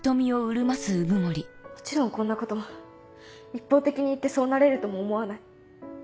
もちろんこんなこと一方的に言ってそうなれるとも思わない。